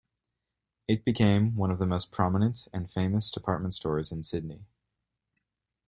It became one of the most prominent and famous department stores in Sydney.